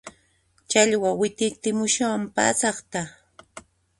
Challwa wit'itimushan pasaqta